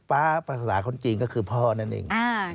๊าภาษาคนจีนก็คือพ่อนั่นเอง